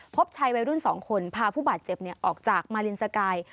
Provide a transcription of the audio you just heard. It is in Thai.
พบชายวัยรุ่น๒คนพาผู้บาดเจ็บออกมารินสกาย